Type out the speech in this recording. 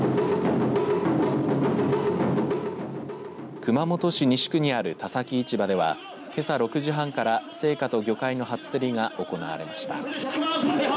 熊本市西区にある田崎市場ではけさ６時半から青果と魚介の初競りが行われました。